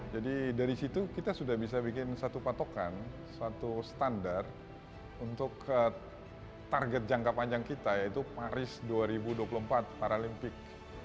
jadi dari situ kita sudah bisa bikin satu patokan satu standar untuk target jangka panjang kita yaitu paris dua ribu dua puluh empat paralimpik